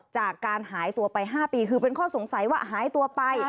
จากการหายตัวไป๕ปีคือเป็นข้อสงสัยว่าหายตัวไป